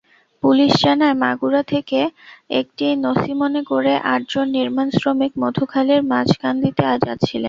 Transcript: Police জানায়, মাগুরা থেকে একটি নছিমনে করে আটজন নির্মাণশ্রমিক মধুখালীর মাঝকান্দিতে যাচ্ছিলেন।